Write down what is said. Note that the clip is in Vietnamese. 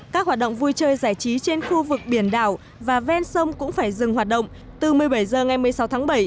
các hoạt động vui chơi giải trí trên khu vực biển đảo và ven sông cũng phải dừng hoạt động từ một mươi bảy h ngày một mươi sáu tháng bảy